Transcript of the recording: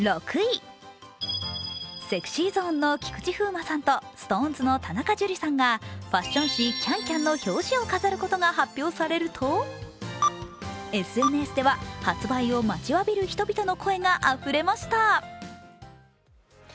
ＳｅｘｙＺｏｎｅの菊池風磨さんとＳｉｘＴＯＮＥＳの田中樹さんがファッション誌「ＣａｎＣａｍ」の表紙を飾ることが発表されるとＳＮＳでは、発売を待ちわびる人々の声があふれました。